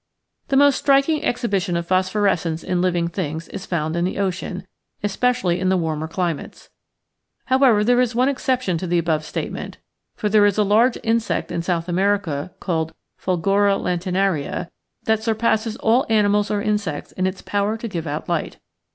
The most striking exhibition of phosphores cence in living things is found in the ocean, especially in the warmer climates. However, there is one exception to the above statement, for there is a large insect in South America called Fulgora Lanternaria that surpasses all animals or insects in its power to give out light.